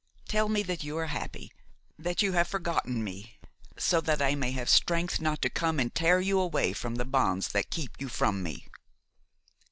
Tell me that you are happy, that you have forgotten me, so that I may have strength not to come and tear you away from the bonds that keep you from me."